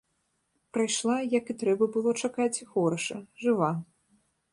Прайшла, як і трэба было чакаць, хораша, жыва.